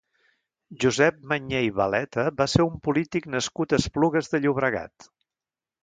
Josep Mañé i Baleta va ser un polític nascut a Esplugues de Llobregat.